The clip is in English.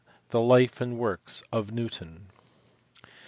THE LIFE AND WORKS OF NEWTON*.